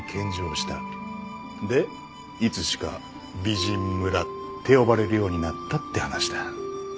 でいつしか美人村って呼ばれるようになったって話だ。